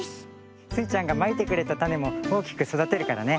スイちゃんがまいてくれたたねもおおきくそだてるからね。